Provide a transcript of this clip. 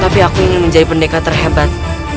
tapi aku ingin menjadi pendekar terhebat